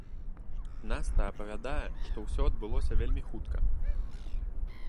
Наста апавядае, што ўсё адбылося вельмі хутка.